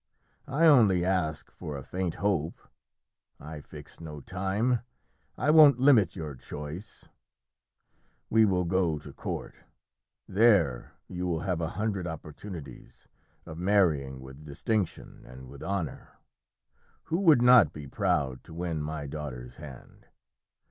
I only ask for a faint hope. I fix no time. I won't limit your choice. We will go to court. There you will have a hundred opportunities of marrying with distinction and with honour. Who would not be proud to win my daughter's hand?